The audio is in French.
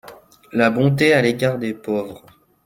La bonté à l’égard des pauvres.